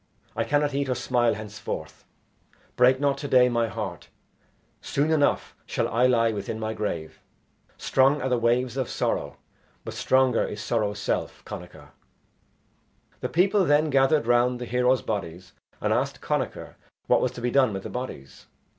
I cannot eat or smile henceforth. Break not to day, my heart: soon enough shall I lie within my grave. Strong are the waves of sorrow, but stronger is sorrow's self, Connachar." The people then gathered round the heroes' bodies and asked Connachar what was to be done with the bodies.